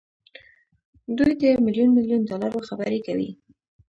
دوی د ميليون ميليون ډالرو خبرې کوي.